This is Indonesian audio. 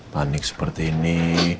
panik seperti ini